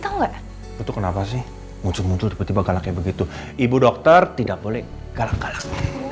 enggak itu kenapa sih muncul muncul tiba tiba galaknya begitu ibu dokter tidak boleh galak galak